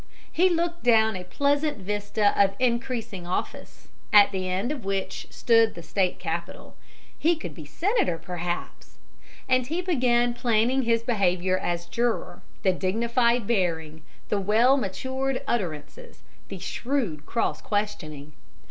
He looked down a pleasant vista of increasing office, at the end of which stood the state capitol. He could be senator, perhaps! And he began planning his behavior as juror, the dignified bearing, the well matured utterances, the shrewd cross questioning.